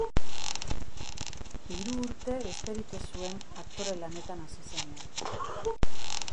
Hiru urte besterik ez zuen aktore lanetan hasi zenean.